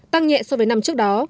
tăng nhẹ so với năm trước đó